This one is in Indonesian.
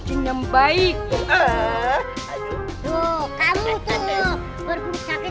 jangan tidur aja kerjaannya